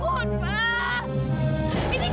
ya allah ada apa sih